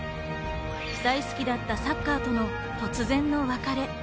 大好きだったサッカーとの突然の別れ。